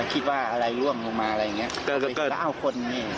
คิดว่าอะไรร่วงลงมาอะไรอย่างนี้